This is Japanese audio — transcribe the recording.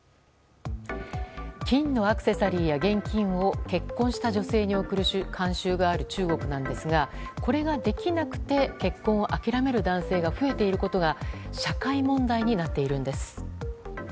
金のアクセサリーや現金を結婚した女性に贈る慣習がある中国なんですがこれができなくて結婚を諦める男性が増えていることが社会問題になっているんです。